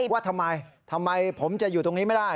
ว่าทำไมทำไมผมจะอยู่ตรงนี้ไม่ได้